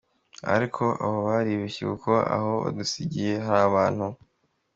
Ariko abo baribeshye kuko aho badusigiye hari abantu.